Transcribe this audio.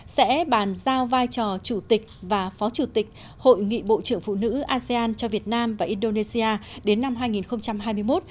sẽ bàn giao vai trò chủ tịch và phó chủ tịch hội nghị bộ trưởng phụ nữ asean cho việt nam và indonesia đến năm hai nghìn hai mươi một